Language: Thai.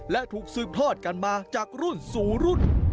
และถูกสืบทอดกันมาจากรุ่นสู่รุ่น